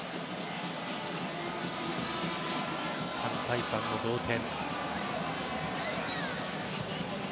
３対３の同点。